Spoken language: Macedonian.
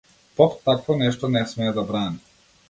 Поп такво нешто не смее да брани!